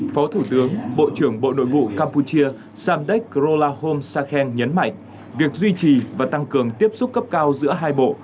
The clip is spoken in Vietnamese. phó thủ tướng bộ trưởng bộ nội vụ campuchia samdek grolahom sakhen nhấn mạnh việc duy trì và tăng cường tiếp xúc cấp cao giữa hai bộ